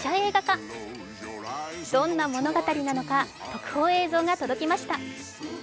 どんな物語なのか、映像が届きました。